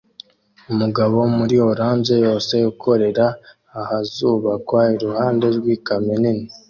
Umugabo muri orange yose ukorera ahazubakwa iruhande rwikamyo nini